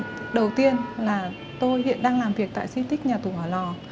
ấn tượng đầu tiên là tôi hiện đang làm việc tại di tích nhà tù hòa lò